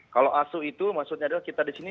kalau asu itu maksudnya adalah kita di sini